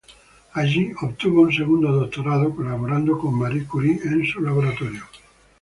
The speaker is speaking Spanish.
Allí obtuvo un segundo doctorado, colaborando con Marie Curie en su laboratorio.